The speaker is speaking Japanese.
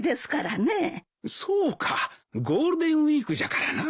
そうかゴールデンウィークじゃからな。